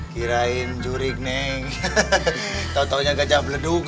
kirain jurik neng hahaha tautannya gajah beleduk